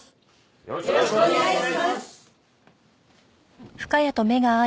よろしくお願いします！